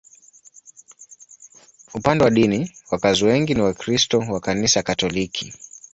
Upande wa dini, wakazi wengi ni Wakristo wa Kanisa Katoliki.